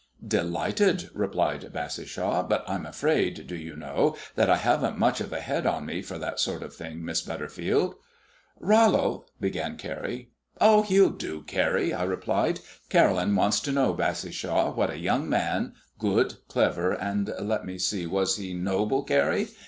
"Delighted," replied Bassishaw; "but I'm afraid, do you know, that I haven't much of a head on me for that sort of thing, Miss Butterfield." "Rollo " began Carrie. "Oh, he'll do, Carrie," I replied. "Caroline wants to know, Bassishaw, what a young man, good, clever, and let me see was he noble, Carrie?